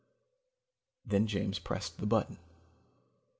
Then James pressed the button.